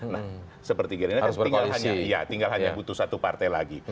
nah seperti gerindra kan tinggal hanya butuh satu partai lagi